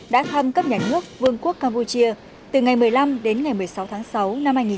đã thăm cấp nhà nước vương quốc campuchia từ ngày một mươi năm đến ngày một mươi sáu tháng sáu năm hai nghìn một mươi chín